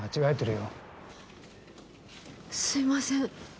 すみません。